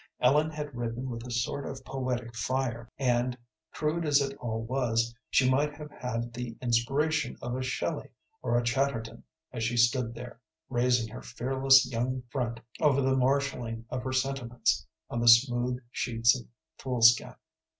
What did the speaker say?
Ellen had written with a sort of poetic fire, and, crude as it all was, she might have had the inspiration of a Shelley or a Chatterton as she stood there, raising her fearless young front over the marshalling of her sentiments on the smooth sheets of foolscap.